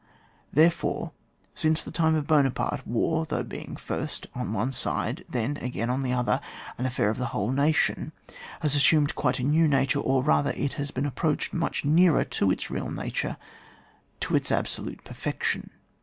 Therefore, since the time of Buona parte, war, through being first on one side, then again on the other, an affair of the whole nation, has assumed quite a new nature, or rather it has approached much nearer to its real nature, to its absolute perfection.